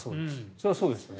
それはそうですよね。